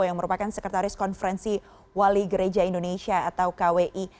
yang merupakan sekretaris konferensi wali gereja indonesia atau kwi